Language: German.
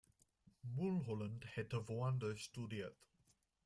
Mulholland hätte woanders studiert.